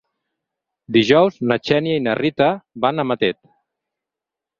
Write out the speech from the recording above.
Dijous na Xènia i na Rita van a Matet.